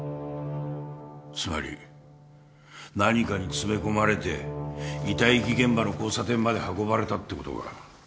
つまり何かに詰め込まれて遺体遺棄現場の交差点まで運ばれたってことか。